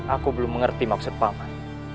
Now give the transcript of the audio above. aku belum mengerti maksud paman